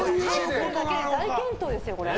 入ってるだけで大健闘ですよ？